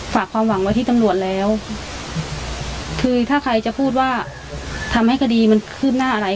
ฝากความหวังไว้ที่ตำรวจแล้วคือถ้าใครจะพูดว่าทำให้คดีมันคืบหน้าอะไร